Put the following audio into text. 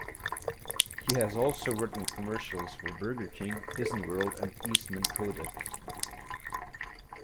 He has also written commercials for Burger King, Disney World, and Eastman Kodak.